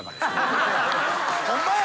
ホンマや。